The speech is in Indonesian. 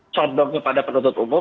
condong kepada penutup umum